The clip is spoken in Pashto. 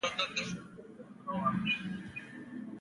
ازادي راډیو د کلتور په اړه د سیمینارونو راپورونه ورکړي.